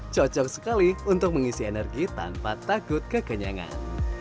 cocok sekali untuk mengisi energi tanpa takut kekenyangan